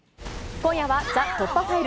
今夜はＴＨＥ突破ファイル。